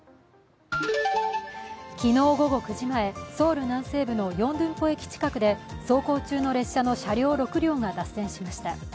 昨日午後９時前、ソウル南西部のヨンドゥンポ駅近くで走行中の列車の車両６両が脱線しました。